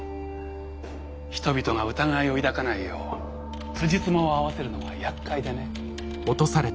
人々が疑いを抱かないようつじつまを合わせるのがやっかいでね。